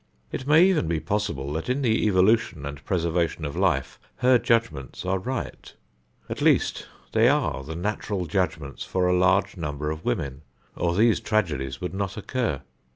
It may even be possible that in the evolution and preservation of life, her judgments are right. At least they are the natural judgments for a large number of women, or these tragedies would not occur.